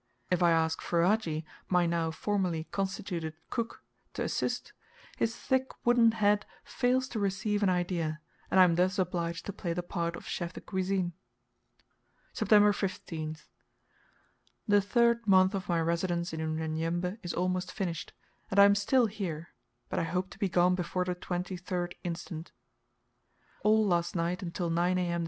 If I ask Ferajji, my now formally constituted cook, to assist, his thick wooden head fails to receive an idea, and I am thus obliged to play the part of chef de cuisine. September 15th. The third month of my residence in Unyanyembe is almost finished, and I am still here, but I hope to be gone before the 23rd inst. All last night, until nine A.M.